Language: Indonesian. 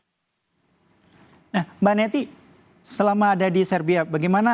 nah mbak neti selama ada di serbia bagaimana